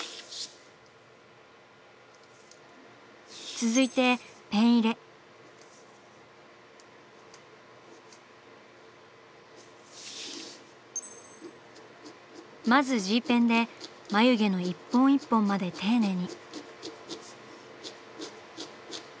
続いてまずＧペンで眉毛の１本１本まで丁寧に。